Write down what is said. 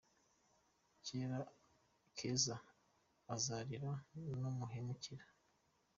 Keza azarira numuhemukira